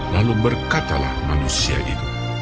lalu berkatalah manusia itu